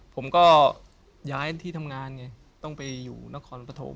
ผมก็ย้ายที่ทำงานไงต้องไปอยู่นครปฐม